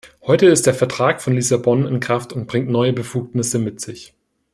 Heute ist der Vertrag von Lissabon in Kraft und bringt neue Befugnisse mit sich.